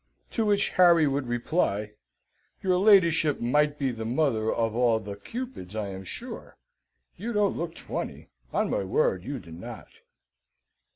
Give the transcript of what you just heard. To which Harry would reply, "Your ladyship might be the mother of all the cupids, I am sure. You don't look twenty, on my word you do Dot!"